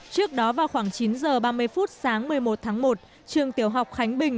trước đó vào khoảng chín h ba mươi phút sáng một mươi một tháng một trường tiểu học khánh bình